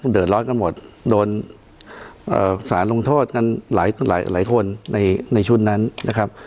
เดือดร้อนกันหมดโดนสารลงโทษกันหลายคนในชุดนั้นนะครับ